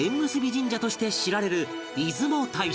神社として知られる出雲大社